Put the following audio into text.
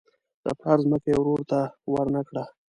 د پلار ځمکه یې ورور ته ورنه کړه.